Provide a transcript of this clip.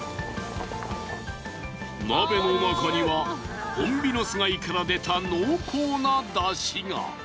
鍋の中にはホンビノス貝から出た濃厚なだしが。